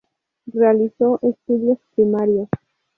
Realizó estudios primarios.